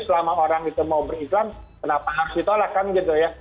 selama orang itu mau beriklan kenapa harus ditolak kan gitu ya